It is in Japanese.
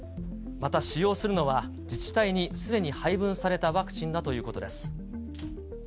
また、使用するのは自治体にすでに配分されたワクチンだということです。